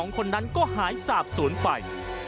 คนนั้นก็หายสาบศูนย์ไป